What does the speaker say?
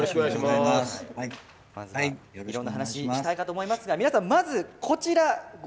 まずはいろんな話したいかと思いますが皆さんまずこちらご覧ください。